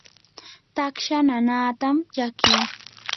taksha nanaatam llakii.